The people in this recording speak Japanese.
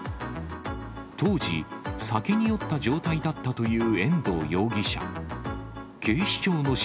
当時、酒に酔った状態だったという遠藤容疑者。